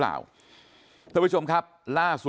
ไม่ได้ว่าเชียวอะไรนะ